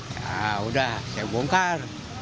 ya udah saya bongkar